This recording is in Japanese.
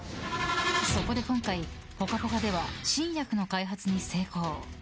そこで今回「ぽかぽか」では新薬の開発に成功！